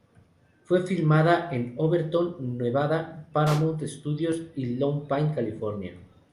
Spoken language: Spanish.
Fue filmada en Overton, Nevada, Paramount Studios, y Lone Pine, California.